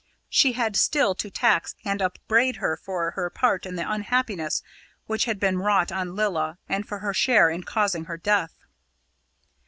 She had still to tax and upbraid her for her part in the unhappiness which had been wrought on Lilla, and for her share in causing her death.